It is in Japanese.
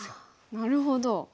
なるほど。